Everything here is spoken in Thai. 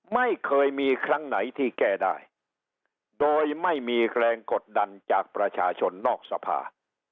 ไม่เคยมีครั้งไหนที่แก้ได้โดยไม่มีแรงกดดันจากประชาชนนอกสภา